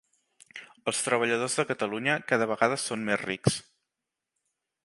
Els treballadors de Catalunya cada vegada són més rics